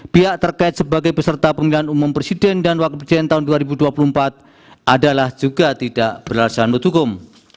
pihak terkait sebagai peserta pemilihan umum presiden dan wakil presiden tahun dua ribu dua puluh empat adalah juga tidak beralasan menurut hukum